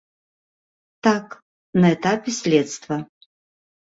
Так, на этапе следства.